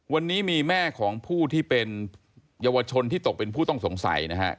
วันนี้มีแม่ของผู้ที่เป็นเยาวชนที่ตกเป็นผู้ต้องสงสัยนะฮะ